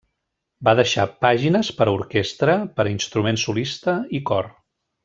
Va deixar pàgines per a orquestra, per a instrument solista i cor.